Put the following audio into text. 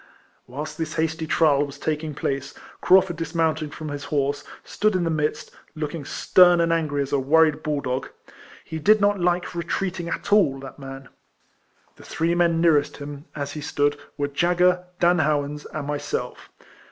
Whilst this hasty trial was taking place, Craufurd dismounting from his horse, stood in the midst, looking stern and angry as a worried bull dog. He did not like retreating at all, that man. The three men nearest him, as he stood, were Jagger, Dan Howans, and myself.